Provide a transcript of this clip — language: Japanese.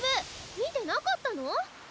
見てなかったの？